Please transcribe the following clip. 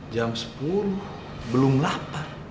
jam sepuluh belum lapar